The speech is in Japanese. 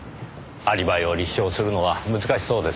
アリバイを立証するのは難しそうですねぇ。